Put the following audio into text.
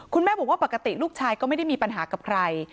คุณแม่บอกว่าปกติลูกชายก็ไม่ได้มีปัญหากับใคร